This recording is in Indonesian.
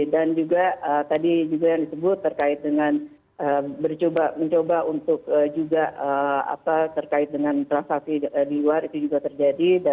dan juga tadi juga yang disebut terkait dengan mencoba untuk juga apa terkait dengan transaksi di luar itu juga terjadi